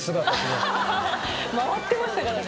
回ってましたからね。